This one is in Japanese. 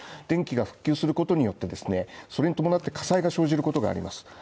電気が復旧することによってですね、それに伴って火災が生じることがあります。